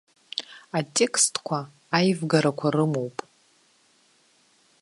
Атекстқәа аивгарақәа рымоуп.